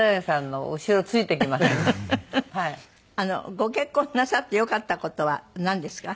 ご結婚なさって良かった事はなんですか？